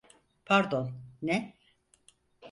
Pardon, ne?